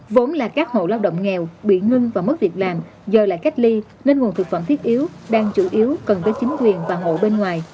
vốn là các hộ lao động nghèo bị ngưng và mất việc làm giờ lại cách ly nên nguồn thực phẩm thiết yếu đang chủ yếu cần với chính quyền và hộ bên ngoài